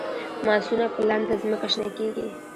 ماسونه په لنده ځمکه شنه کیږي